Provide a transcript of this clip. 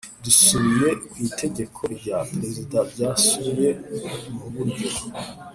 dusubiye kw itegeko rya perezida byasubiye muburyo